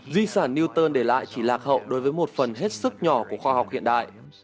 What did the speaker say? di sản newton để lại chỉ lạc hậu đối với một phần hết sức nhỏ của khoa học hiện đại